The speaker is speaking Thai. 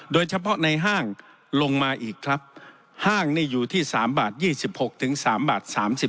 โดยเฉพาะในห้างลงมาอีกครับห้างนี่อยู่ที่๓บาท๒๖๓บาท